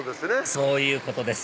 そういうことです